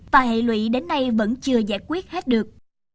và hệ lụy đến nay vẫn chưa giải quyết hết được